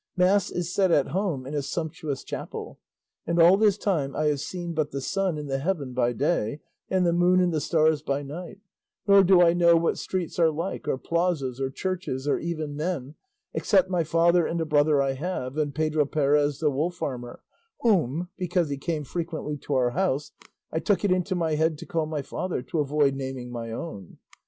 Mass is said at home in a sumptuous chapel, and all this time I have seen but the sun in the heaven by day, and the moon and the stars by night; nor do I know what streets are like, or plazas, or churches, or even men, except my father and a brother I have, and Pedro Perez the wool farmer; whom, because he came frequently to our house, I took it into my head to call my father, to avoid naming my own.